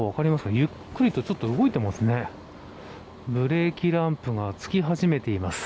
ゆっくりと動いていますね。